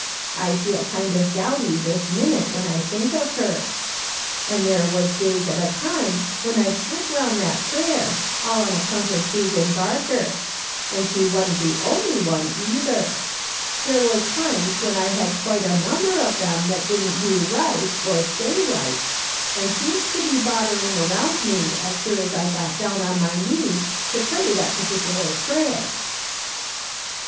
I feel kind of grouty this minute when I think of her ;' and there was days at a time when I'd slip around that prayer, all on account of Susan Barker. And she wa'n't the only one, either. There was times when I had quite a number of them that didn't do right, or say right, and seemed to be bothering around me as sure as I got down on my knees to pray that particular prayer